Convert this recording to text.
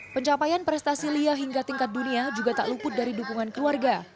pencapaian prestasi lia hingga tingkat dunia juga tak luput dari dukungan keluarga